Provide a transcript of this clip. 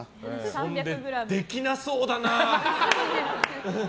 そんで、できなそうだな。